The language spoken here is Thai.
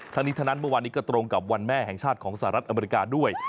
ทั้งนี้ทั้งนั้นเมื่อวานนี้ก็ตรงกับวันแม่แห่งชาติของสหรัฐอเมริกาด้วย